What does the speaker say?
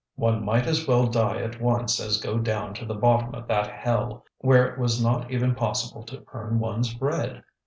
One might as well die at once as go down to the bottom of that hell, where it was not even possible to earn one's bread.